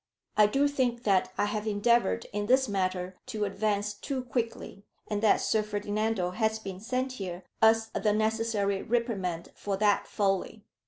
"I do think that I have endeavoured in this matter to advance too quickly, and that Sir Ferdinando has been sent here as the necessary reprimand for that folly.